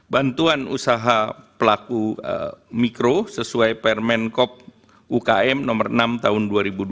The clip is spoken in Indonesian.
bantuan usaha pelaku mikro sesuai permen kop ukm nomor enam tahun dua ribu dua puluh